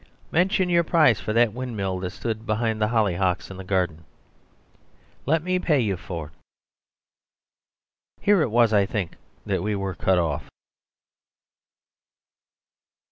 Mention your price for that windmill that stood behind the hollyhocks in the garden. Let me pay you for..." Here it was, I think, that we were cut off.